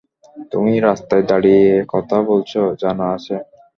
তুমি রাস্তায় দাঁড়িয়ে কথা বলছ, জানা আছে?